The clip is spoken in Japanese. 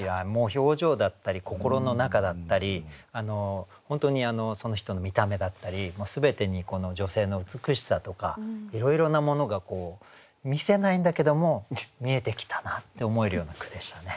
表情だったり心の中だったり本当にその人の見た目だったり全てにこの女性の美しさとかいろいろなものが見せないんだけども見えてきたなって思えるような句でしたね。